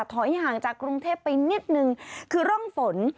ห่างจากกรุงเทพไปนิดนึงคือร่องฝน